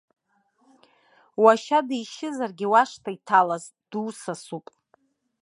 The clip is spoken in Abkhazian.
Уашьа дишьызаргьы, уашҭа иҭалаз, дусасуп.